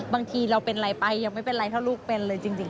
บางทีเราเป็นอะไรไปยังไม่เป็นไรถ้าลูกเป็นเลยจริง